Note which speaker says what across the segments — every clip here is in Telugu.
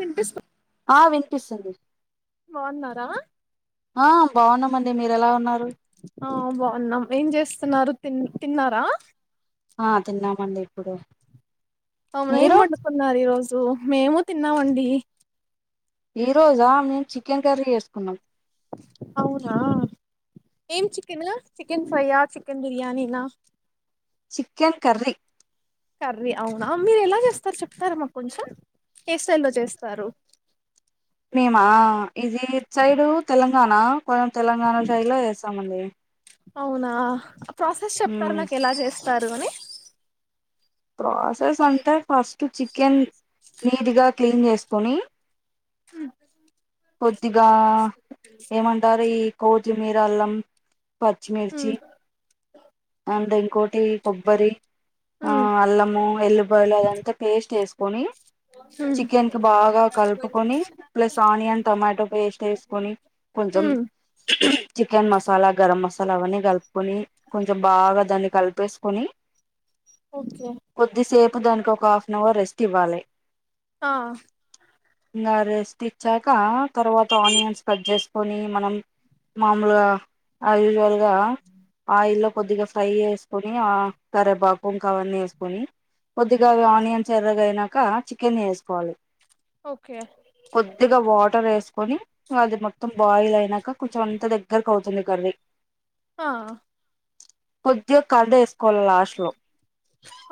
Speaker 1: వినిపిస్తు
Speaker 2: ఆ వినిపిస్తుంది.
Speaker 1: బాగున్నారా?
Speaker 2: ఆ బాగున్నామండి మీరు ఎలా ఉన్నారు
Speaker 1: ఆ బాగున్నాం ఏం జేస్తున్నారు తి తిన్నారా
Speaker 2: ఆ తిన్నామండి ఇప్పుడు
Speaker 1: అవును ఏం
Speaker 2: మీరు
Speaker 1: వండుకున్నారు ఈ రోజు మేము తిన్నావండి
Speaker 2: ఈ రోజా మేము చికెన్ కర్రీ జేసుకున్నాం
Speaker 1: అవునా ఏం చికెను చికెన్ ఫ్రైయా చికెన్ బిర్యానీనా
Speaker 2: చికెన్ కర్రీ
Speaker 1: కర్రీ అవునా మీరు ఎలా చేస్తారు చెప్తారా మాకు కొంచెం ఏ స్టైల్ లో చేస్తారు
Speaker 2: మేమా ఇది ఇట్ సైడు తెలంగాణ కొనం తెలంగాణ స్టైల్ లో చేస్తామండి
Speaker 1: అవునా ప్రాసెస్ చెప్తారా
Speaker 2: మ్మ్
Speaker 1: నాకు ఎలా చేస్తారు అని
Speaker 2: ప్రాసెస్ అంటే ఫస్ట్ చికెన్ నీట్గా క్లీన్ చేసుకొని
Speaker 1: హ్
Speaker 2: కొద్దిగా ఏమంటారు ఈ కోచిమిరాళ్ళం
Speaker 1: ఉమ్
Speaker 2: పచ్చిమిర్చి అల్లా ఇంకోటి కొబ్బరి ఆ
Speaker 1: ఉమ్
Speaker 2: అల్లము ఎల్లుపాయలు అదంతా పేస్ట్ వేసు
Speaker 1: ఉమ్
Speaker 2: చికెన్ కి బాగా కలుపుకొని ప్లస్ ఆనియన్ టమాటో పేస్ట్ వేసుకొని కొంచం
Speaker 1: ఉమ్
Speaker 2: చి చికెన్ మసాలా గరం మసాలా అవన్నీ కలుపుకొని కొంచం బాగా దాన్ని కలిపేసుకొని
Speaker 1: ఓకే
Speaker 2: కొద్దిసేపు దానికి ఒక హాఫ్ అన్ అవర్ రెస్ట్ ఇవ్వాలి
Speaker 1: ఆ
Speaker 2: ఇంగ రెస్ట్ ఇచ్చాక తర్వాత ఆనియన్స్ కట్ చేసుకొని మనం మామూలుగా ఆసుజువల్గా ఇల్లో కొద్దిగా ఫ్రై చేసుకొని ఆ కరేపాకు ఇంకా అవన్నీ వేసుకొని కొద్దిగా అవి ఆనియన్స్ ఎర్రగా అయినాక చికెన్ ఎసుకోవాలి
Speaker 1: ఓకే
Speaker 2: కొద్దిగా వాటర్ ఎసుకొని అది మొత్తం బాయిల్ అయినాక కొంచం అంత దగ్గరకు అవుతుంది కర్రీ
Speaker 1: ఆ
Speaker 2: కొద్దిగా కార్డ్ వేసుకోవాలి లాస్ట్ లో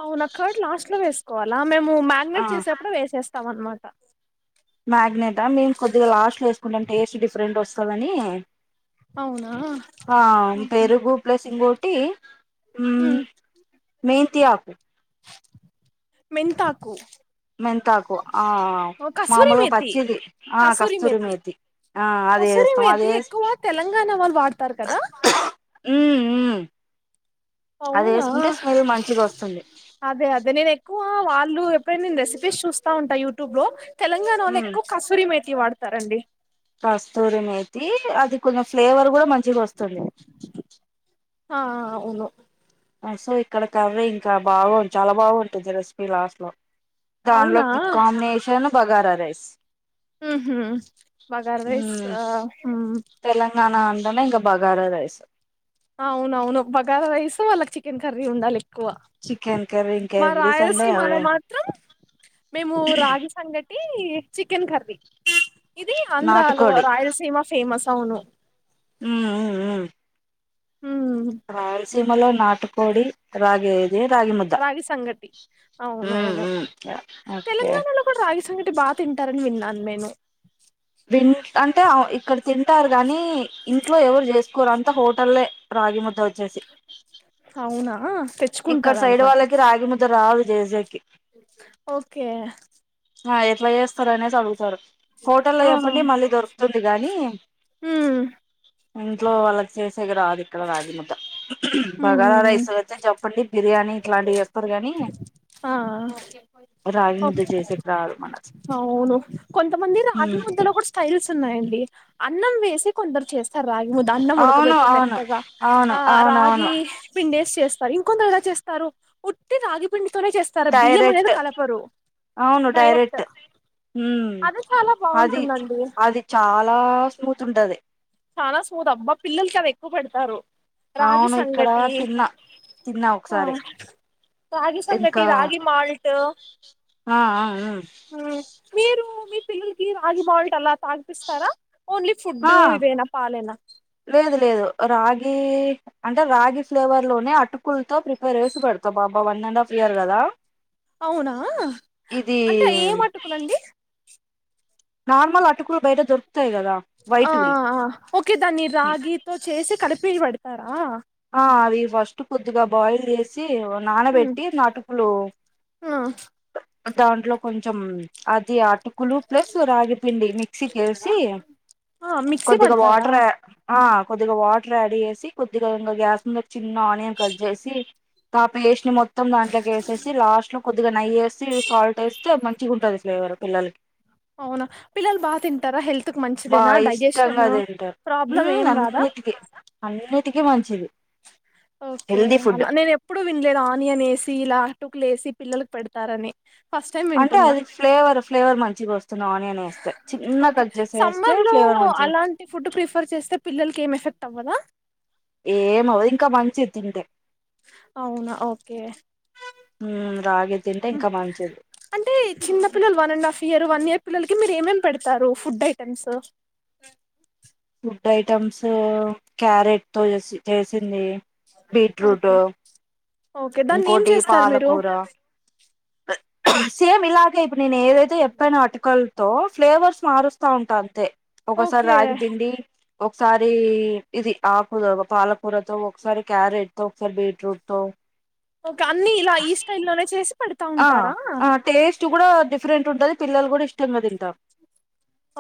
Speaker 1: అవునా కర్డ్ లాస్ట్ లో వేసుకోవాలా మేము
Speaker 2: ఆ
Speaker 1: మ్యాగినేట్ చేసేప్పుడు వేసేస్ తం అన్నమాట
Speaker 2: మ్యాగ్నేటా మేమ్ కొద్దిగా లాస్ట్లో వేసుకుంటాం టేస్ట్ డిఫరెంట్ వస్తుందని
Speaker 1: అవునా
Speaker 2: హా పెరుగు ప్లస్ ఇంగోటి ఉమ్ మెంతి అక్
Speaker 1: మెంతాకు
Speaker 2: మెంతాకు ఆ
Speaker 1: కసూరి
Speaker 2: మామూలుగా
Speaker 1: మేతి
Speaker 2: పచ్చిది ఆ కస్తూరి మేతి ఆ అది వేస్తాం అది
Speaker 1: కసురిమేతి
Speaker 2: వేసి
Speaker 1: ఎక్కువ తెలంగాణ వాళ్ళు వాడతారు కదా
Speaker 2: ఉమ్ హ్మ్
Speaker 1: అవునా
Speaker 2: వస్తుంది
Speaker 1: అదే అదే నేను ఎక్కువ వాళ్ళు ప్డైనా నేను రెసిపీస్ చూస్తా ఉంటాను యూట్యూబ్ లో తెలంగాణలో
Speaker 2: ఉమ్
Speaker 1: ఎక్కువ కసూరి మేతి వాడతారండి
Speaker 2: కస్తూరి మేతి అది కొంచెం ఫ్లేవర్ కూడా మంచిగోస్తుంది
Speaker 1: ఆ ఆ అవును
Speaker 2: సో ఇక్కడ కర్రీ ఇంకా బాగుం చాలా బాగుంటుంది రెసిపీ లాస్ట్ లో
Speaker 1: అవునా
Speaker 2: దానిలోకీ కాంబినేషన్ బగారా రైస్
Speaker 1: ఉహు బాగరా రైస్
Speaker 2: మ్మ్
Speaker 1: ఆహ్ ఉహ్
Speaker 2: కా బగారా రైస్
Speaker 1: అవును అవును బగార రైస్ వాళ్ళకి చికెన్ కర్రీ ఉండాలి క్కువ
Speaker 2: చికెన్ కర్రీ ఇంకా
Speaker 1: మా
Speaker 2: ఎవ్రీ సండే
Speaker 1: రాయలసీమాలో
Speaker 2: అవే
Speaker 1: మాత్రం మేము రాగి సంగటి టి చికెన్ కర్రీ ఇది ఆంధ్రాలో
Speaker 2: నాటుకోడి
Speaker 1: రాయలసీమ ఫేమస్ అవును
Speaker 2: ఉ ఉ ఉ
Speaker 1: ఉమ్
Speaker 2: రాయలసీమలో నాటుకోడి రాగీ
Speaker 1: రాగి సంగటి
Speaker 2: మ్మ్
Speaker 1: అవునవును
Speaker 2: మ్మ్ ఓకే
Speaker 1: తెలంగాణలో కూడా రాగి సంగటి బా తింటారని విన్నాను నేను
Speaker 2: విన్ అంటే ఆమె ఇక్కడ తింటారు గాని ఇంట్లో ఎవరు చేస్ కోరు అంతా హోటలే రాగి ముద్ద వచ్చేసి
Speaker 1: అవునా తే
Speaker 2: ఇక్కడ సైడ్ వాళ్ళకి రాగి ముద్ద రాదు జెసికి
Speaker 1: ఓకే
Speaker 2: ఆ ఎట్లా చేస్తారు అనేసి అడుగుతారు హోటల్లో
Speaker 1: ఆ
Speaker 2: చెప్పండి మళ్ళీ దొరుకుతుంది గాని
Speaker 1: ఉమ్
Speaker 2: ఇంట్లో వాళ్లక్ చేసేకి రాదు ఇక్కడ రాగి ముద్ద
Speaker 1: ఉమ్
Speaker 2: బగారా
Speaker 1: ఉమ్,
Speaker 2: రైస్ అయితే చప్ బిర్యానీ ఇట్లాంటివి వస్తారు కానీ
Speaker 1: ఆ
Speaker 2: రాగి ముద్ద
Speaker 1: ఓకే
Speaker 2: చేసేకి రాదు మనకి
Speaker 1: అవును కొంత మంది రాగి
Speaker 2: ఉమ్
Speaker 1: ముద్దలో కూడా స్టైల్స్ తున్నాయండి అన్నం వేసి కొందరు చేస్ స్తార రాగి ముద్ద అన్నం
Speaker 2: అవును
Speaker 1: ఉడకబెట్టి
Speaker 2: అవును
Speaker 1: మెత్తగా
Speaker 2: అవును
Speaker 1: ఆ
Speaker 2: అవునవును
Speaker 1: రాగి పిండేసి చేస్ సరి ఇంకొందరిగా చేస్తారు ఉట్టి రాగిపిండి తోనే చేస్తారు బియ్యం అనేది
Speaker 2: డైరెక్ట్
Speaker 1: కలపరు డైరెక్ట్
Speaker 2: ఉమ్
Speaker 1: అది చాలా
Speaker 2: అది
Speaker 1: బాగుంటుందండి
Speaker 2: అది చాలా స్మూత్ ఉంటది
Speaker 1: చాలా స్మూత అబ్బా పిల్లలకి అవి ఎక్కువ పెడతారు రాగి
Speaker 2: అవును ఇక్కడ
Speaker 1: సంగటి
Speaker 2: తిన్నా తిన్నా
Speaker 1: ఆ
Speaker 2: ఒకసారి
Speaker 1: రాగి సంగటి
Speaker 2: ఇంకా
Speaker 1: రాగి మాల్ట్
Speaker 2: ఆ ఆ ఉ
Speaker 1: హా మీరు మీ పిల్లలకి రాగి మాల్ట్ అలా తాగిపిస్తారా ఓన్లీ
Speaker 2: ఆ
Speaker 1: ఫుడ్డు ఇవేనా పాలేనా
Speaker 2: ఈ అంటే రాగి ఫ్లేవర్ లోనే అటుకులతో ప్రిపేర్ వేసి పెడతా బాబా వన్ అండ్ హాఫ్ ఇయర్ కదా
Speaker 1: అవునా
Speaker 2: ఇది
Speaker 1: అంటే ఏమటుకులండి
Speaker 2: నార్మల్ అటుకులు బయట దొర్
Speaker 1: ఆ ఆ ఆ ఓకే దాన్ని రాగితో చేసి కలిపి పెడతారా
Speaker 2: ఆ అవి ఫస్ట్ కొద్దిగా బాయిల్ చేసి ఇ
Speaker 1: హ్మ్
Speaker 2: నానబెట్టిన అటుకులు
Speaker 1: ఆ
Speaker 2: అ దాంట్లో కొంచం అది ఆటు కులు ప్లస్ రాగిపిండి మిక్సీకేసి
Speaker 1: ఆ మిక్సీ
Speaker 2: కొద్దిగా
Speaker 1: పడతారా
Speaker 2: వాటర్ ఆ కొద్దిగా వాటర్ యాడ్ చేసి కొద్దిగా ఇంగో గ్యాస్ మీద చిన్న ఆనియన్ కట్ చేసి త పిలేష్ ని మాత్ మొత్తం దాంట్లోకి వేసేసి లాస్ట్ లో కొద్దిగా నెయ్యి వేసి సాల్ట్ వేస్తే మంచిగా ఉంటది ఫ్లేవర్ పిల్లలకి
Speaker 1: అవునా పిల్లలు బా తింటారా హెల్త్ క మంచిదేనా
Speaker 2: బాగా
Speaker 1: డైజెషన్ ప్రాబ్లమ్ ఏం రాదా
Speaker 2: టికీ అన్నిటికీ మంచిది
Speaker 1: ఓకే
Speaker 2: హెల్దీ ఫుడ్
Speaker 1: అలా నేను ఎప్పుడు వినలేదు ఆనియన్ ఏసి ఇలా టుకులు ఏసి పిల్లలకు పెడతారని ఫస్ట్ టైం
Speaker 2: అంటే
Speaker 1: వింటున్నా
Speaker 2: అది ఫ్లేవర్ ఫ్లేవర్ మంచిగా వస్తుంది ఆనియన్ వేస్తే చిన్న కట్ చెస్ వేస్తే ఫ్లేవర్
Speaker 1: ఊ
Speaker 2: మంచిగా
Speaker 1: అలాంటి ఫుడ్ ప్రిఫర్ చేస్తే పిల్లలకి ఏం ఎఫెక్ట్ అవ్వదా
Speaker 2: ఏం అవ్వదు ఇంకా మంచిది తింటే
Speaker 1: అవునా ఓకే
Speaker 2: ఉమ్ రాగి తింటే
Speaker 1: ఉ
Speaker 2: ఇంకా మంచిది
Speaker 1: అంటే చిన్న పిల్లలు one and half year one year పిల్లలకి మీరు ఏమేమి పెడతారు food items
Speaker 2: food items carrot తో చేసి చేసింది బీట్రూట్
Speaker 1: ఓకే ఓకే దాన్ని ఏం చేస్తారు మీరు
Speaker 2: అ సేమ్ ఇలాగే ఇప్పుడు నేను ఏదైతే చెప్పానో అటుకలతో ఫ్లేవర్స్ మారుస్తా ఉంటా అంతే ఒకసారి
Speaker 1: ఓకే
Speaker 2: రాగి పిండి ఒకసారి ఇది ఆకదు పాలకూర తో ఒకసారి క్యారెట్ తో ఒకసారి బీట్రూట్ తో
Speaker 1: క అన్నీ ఇలా ఈ స్టైల్ లోనే చేసి పెడతా
Speaker 2: ఆ
Speaker 1: ఉంటారా
Speaker 2: ఆ టేస్ట్ కూడా డిఫరెంట్ ఉంటది పిల్లలు కూడా ఇష్టం గా తింటారు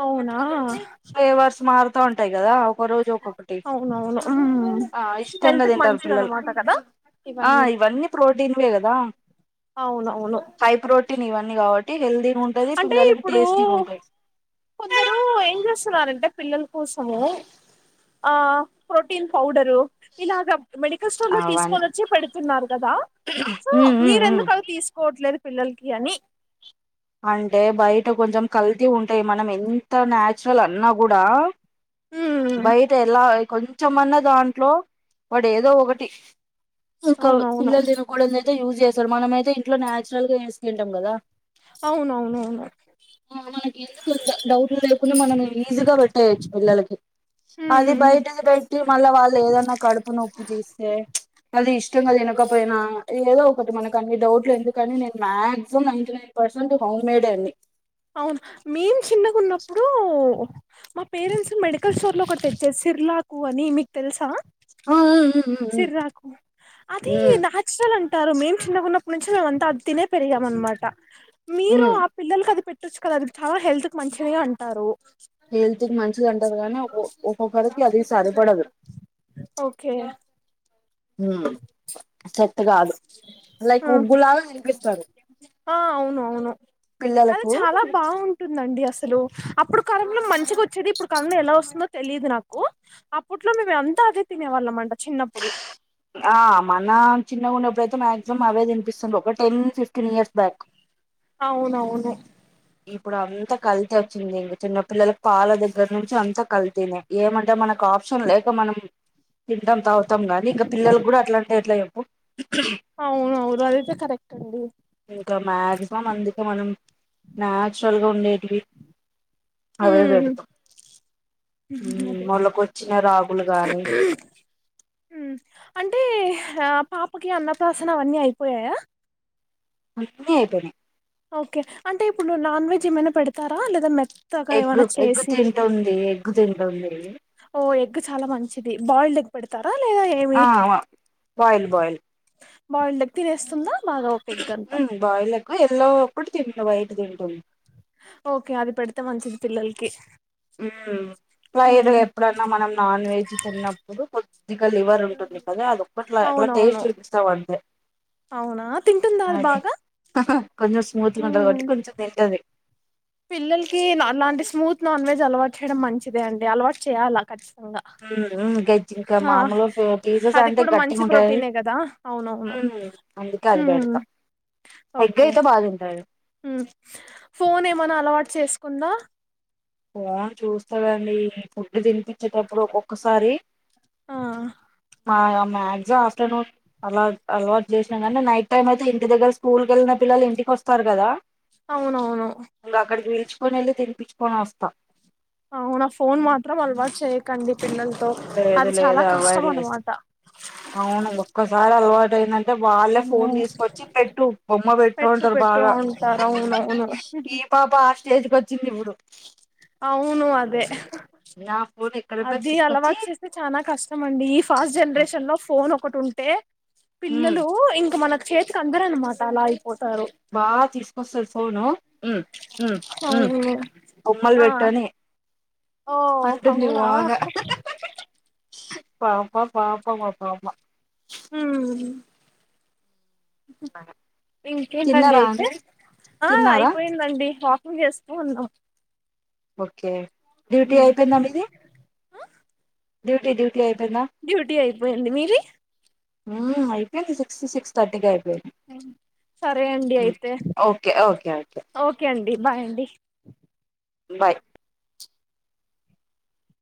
Speaker 1: అవునా
Speaker 2: ఫ్లేవర్స్ మారుతా ఉంటాయి కదా ఒక్కరోజు ఒక్కొక్కటి
Speaker 1: అవునవును మ్మ్
Speaker 2: ఆ ఇష్టంగా
Speaker 1: హెల్త్ కి
Speaker 2: తింటారు
Speaker 1: మంచిది
Speaker 2: పిల్లలు
Speaker 1: అనమాట కదా
Speaker 2: ఆ ఇవన్నీ ప్రోటీన్ వే కదా
Speaker 1: అవునవును
Speaker 2: టి ఇవన్నీ కాబట్
Speaker 1: అంటే ఇప్పుడు
Speaker 2: ఉంటాయి
Speaker 1: ఏం చేస్ ఇస్తున్నారు అంటే పిల్లల కోసం ఆ ప్రోటీన్ పౌడర్ దు ఇలాగ మెడికల్ స్టోర్ లో
Speaker 2: అవన్
Speaker 1: తీసుకోనిచ్చి పెడుతున్నారు కదా సో
Speaker 2: ఉమ్ ఉమ్ ఉమ్
Speaker 1: మీరెందుకు అవి తీసుకోవట్లేదు పిల్లలకి అని
Speaker 2: అంటే బయట కొంచెం కల్తీ ఉంటాయి మనం ఎంత నాచురల్ అన్నా కూడా
Speaker 1: మ్మ్
Speaker 2: బయట ఎలా కొంచమన్నా దాంట్లో వాడు ఏదో ఒకటి ఇంక
Speaker 1: అవునవును
Speaker 2: పిల్లలు తినకూడనిది అయితే యూజ్ చేస్తారు మనమైతే ఇంట్లో నేచురల్ చేసుకొంటాము కదా
Speaker 1: అవును అవును అవును
Speaker 2: ఇది కొంచెం డౌట్లు లేకుండా మనం ఈజీగా పెట్టేయచ్చు పిల్లలకి అది
Speaker 1: మ్మ్
Speaker 2: బయటది పెట్టి మళ్ళా వాళ్ళు ఏదన్నా కడుపు నొప్పు చేస్తే అది ఇష్ ఇష్టంగా తినకపోయినా ఏదో ఒకటి మనకి అన్ని డౌట్లు ఎందుకని నేను maximum ninety nine percent home made ఏ అన్ని
Speaker 1: అవును మేం చిన్నగున్నప్పుడు మా పేరెంట్స్ మెడికల్ స్టోర్ లో ఒక్కటి తెచ్చే సిర్లాకు అని మీకు తెలుసా
Speaker 2: ఆ ఆ
Speaker 1: సిర్క అది
Speaker 2: ఆ
Speaker 1: న్యాచురల్ ఆన్ టారు మేము చిన్నకున్నప్పుడు నుంచి మేమంతా అది తినే పెరిగాము అనమాట మీరు ఆ పిల్లలకి అది పె పేట్టచ్చు కదా అంత హెల్త్ కు మంచి ది అంటారు
Speaker 2: హెల్త్కి మంచిది అంటారు గానీ ఒ ఒక్కొక్కరికి అది సరిపడదు
Speaker 1: ఓకే
Speaker 2: సెట్ కాదు లైక్
Speaker 1: ఆ
Speaker 2: ఉగ్గులాగా తినిపిస్తారు
Speaker 1: ఆ అవును అవును అది
Speaker 2: పిల్లలకు
Speaker 1: చాలా బాగుంటుందండి అసలు అప్పుడు కాలంలో మంచిగ వచ్చేది ఇప్పుడు కాలంలో ఎలా వస్తుందో తెలియదు నాకు అప్పట్లో మేము ఎంతా అదే తినేవాళ్ళమంట
Speaker 2: ఆ మన చిన్న ఉన్నప్పుడైతే మాక్సిమం అవే తినిపిస్తుండ్రు ఒక టెన్ ఫిఫ్టీన్ ఇయర్స్ బ్యాక్
Speaker 1: అవును అవును
Speaker 2: ఇప్పుడు అంతా కల్తీ వచ్చింది ఇంక చిన్న పిల్లలకు పాల దగ్గర నుంచి అంతా కల్తీనే ఏమంటే మనకు ఆప్షన్ లేక మనం తింటాం తాగుతాం గానీ ఇంకా పిల్లలు కూడా అట్లంటే అ ఎట్ల చెప్పు
Speaker 1: అవును అవును అది అయితే కరెక్టే అండి
Speaker 2: ఇంకా మాక్సిమం అందుకే మనం నాచురల్ గా ఉండేటివి అవే
Speaker 1: హ్మ్
Speaker 2: పెడుతా యూ
Speaker 1: అదే
Speaker 2: మొలకొచ్చిన రాగులు కానీ
Speaker 1: యూ అంటే ఆ పాపకి అన్నప్రాసన అవన్నీ అయిపోయాయా
Speaker 2: అన్నీ అయిపోయినాయి
Speaker 1: ఓకే అంటే ఇప్పుడు నాన్ వెెజ్ ఏమన్నా పెడతారా లేదా మేత్
Speaker 2: ఎగ్ ఎగ్ తింటుంది ఎగ్ తింటుంది
Speaker 1: ఓ ఎగ్ చాలా మంచిది బాయిల్డ్ ఎగ్ పెడతారా లేదా ఏమి
Speaker 2: ఆ వా బయిల్ బాయిల్
Speaker 1: బాయిల్డ్ ఎగ్ చేస్తుందా బాగా ఓ పేగ్ అంతా
Speaker 2: ఒక ఎల్లో ఒకటి తినటామ్ వైట్ తింటుంది
Speaker 1: ఓకే అది పెడితే మంచిది పిల్లలకి
Speaker 2: ఊ లైట్ గా
Speaker 1: హ్మ్
Speaker 2: ఎప్పుడన్నా మనం నాన్ వెజ్ తిన్నప్పుడు కొద్దిగా లివర్ ఉంటుంది కదా అదొక్కటి
Speaker 1: అవునవును
Speaker 2: టేస్ట్ చూపిస్తాం అంతే
Speaker 1: అవునా తింటుందా అది
Speaker 2: అదే
Speaker 1: బాగా
Speaker 2: కొంచెం స్మూత్గా ఉంటది కాట్టి
Speaker 1: హ్మ్
Speaker 2: కొంచెం తింటాది
Speaker 1: పిల్లలకి అలాంటి స్మూత్ నాన్ వెజ్ అలవాటు చేయడం మంచిదే అండి. అలవాటు చేయాలా కచ్ అ
Speaker 2: ఉహు గజ్ ఇంకా మామూలు పీసెస్
Speaker 1: అది
Speaker 2: అంటే
Speaker 1: కూడా
Speaker 2: గట్టిగ
Speaker 1: మంచి
Speaker 2: ఉంటాయి
Speaker 1: ప్రోటీనే కదా అవునవును
Speaker 2: ఉమ్ అందుకే అది
Speaker 1: హ్మ్
Speaker 2: పెడతా ఎగ్ అయితే బాగా తింటాడు
Speaker 1: ఉ ఫోన్ ఏమనా అలవాటు చేసుకుందా
Speaker 2: ఆ చూస్తాదండి ఫుడ్డు తినిపించేటప్పుడు ఒక్కొక్కసారి
Speaker 1: ఆ
Speaker 2: మా మాక్సిమం ఆఫ్టర్నూన్ అలా అలవాటు చేసినా కానీ నైట్ టైమ్ అయితే ఇంటి దగ్గర స్కూల్ కి వెళ్ళిన పిల్లలు ఇంటికివస్తారు కదా
Speaker 1: అవునవును
Speaker 2: చ్చుకొని వెళ్ళి తినిపిచ్చుకొని వస్తా
Speaker 1: అవునా ఫోన్ మాత్రం అల్వాట్ చేయ్యకండి పిల్లలతో
Speaker 2: లేదు
Speaker 1: అది
Speaker 2: లేదు
Speaker 1: చాలా
Speaker 2: అవాయిడ్
Speaker 1: కష్టం
Speaker 2: చేస్త
Speaker 1: అన్నమాట
Speaker 2: అంటే వాళ్ళే ఫోన్ తీసుకొచ్చి పెట్టు బొమ్మ పెట్టు అంటారు
Speaker 1: పెట్టు
Speaker 2: బాగా
Speaker 1: అంటారు అవునవును
Speaker 2: పాప ఆ స్టేజ్కి వచ్చింది ఇప్పుడు
Speaker 1: అవును అదే
Speaker 2: నా ఫోన్ ఎక్కడున్నా
Speaker 1: అది
Speaker 2: తీసుకొచ్చి
Speaker 1: అలవాటు చేస్తే చానా కష్టం అండి. ఈ ఫాస్ట్ జనరేషన్ లో ఫోన్ ఒకటి ఉంటే
Speaker 2: ఉమ్
Speaker 1: పిల్లలు ఇంక మనకు చేతికి అందరు అనమాట అలా అయిపోతారు
Speaker 2: బాగ తీసుకొస్తారు ఫోను ఉ ఉ ఉ
Speaker 1: అవును
Speaker 2: బొమ్మలు
Speaker 1: ఆ
Speaker 2: పెట్టని
Speaker 1: ఓ
Speaker 2: అంటుంది
Speaker 1: అవునా
Speaker 2: బాగా పాప పాపం ఆ పాప
Speaker 1: హుమ్ ఇంకేంటండి
Speaker 2: తిన్నారా
Speaker 1: అయితే
Speaker 2: అండి
Speaker 1: ఆ
Speaker 2: తిన్నారా
Speaker 1: అయిపోయిందండి. సాఫ్ పని చేసుకో అన్నా
Speaker 2: ఓకే డ్యూటీ అయిపోయిందమీది డ్యూటీ డ్యూ
Speaker 1: డ్యూటీ అయిపోయింది మీది
Speaker 2: ఆ అయిపోంది సిక్స్ సిక్స్ థర్టీకె అయిపో
Speaker 1: సరే అండి అయితే
Speaker 2: ఓకే ఓకే
Speaker 1: ఓకే అన్ బాయ్ అండీ
Speaker 2: బాయ్